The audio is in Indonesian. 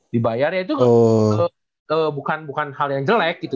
dibayar ya itu bukan hal yang jelek gitu